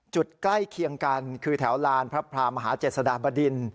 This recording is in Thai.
ใกล้เคียงกันคือแถวลานพระพรามหาเจษฎาบดิน